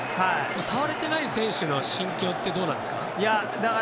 触れていない選手の心境ってどうなんですか？